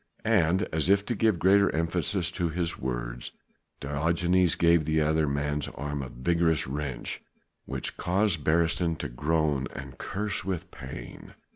And as if to give greater emphasis to his words Diogenes gave the other man's arm a vigorous wrench which caused Beresteyn to groan and curse with pain.